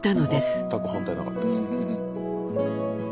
全く反対なかったです。